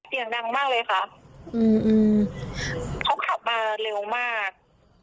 เสียงดังมากเลยค่ะอืมเขาขับมาเร็วมาก